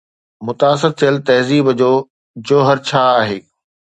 متاثر ٿيل تهذيب جو جوهر ڇا آهي؟